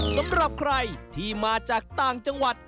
สำหรับใครที่มาจากต่างจังหวัด